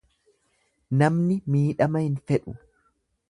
Namni miidhama hin fedhu.